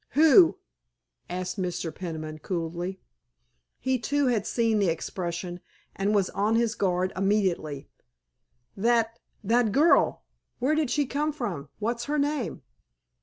"Who?" asked Mr. Peniman coolly. He too had seen the expression, and was on his guard immediately. "That—that girl! Where did she come from? What's her name?"